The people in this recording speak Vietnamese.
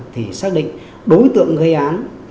thì xác định đối tượng gây án